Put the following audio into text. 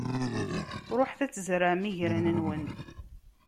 Ṛuḥet ad tzerɛem igran-nwen.